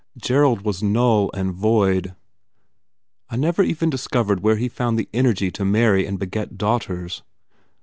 Gerald was null and void. I never even discovered where he found the energy to marry and beget daughters.